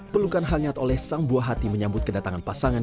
pelukan hangat oleh sang buah hati menyambut kedatangan pasangan